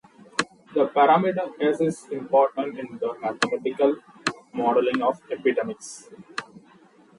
The parameter "S" is important in the mathematical modelling of epidemics.